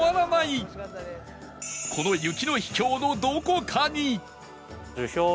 この雪の秘境のどこかに